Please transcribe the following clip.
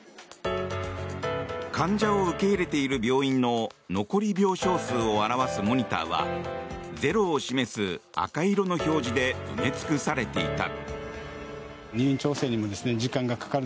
患者を受け入れている病院の残り病床数を表すモニターはゼロを示す赤色の表示で埋め尽くされていた。